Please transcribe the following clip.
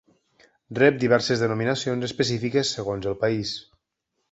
Rep diverses denominacions específiques segons el país.